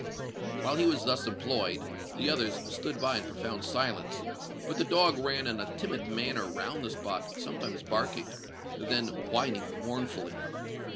While he was thus employed, the others stood by in profound silence; but the dog ran in a timid manner round the spot, sometimes barking—then whining mournfully.